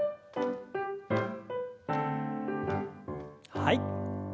はい。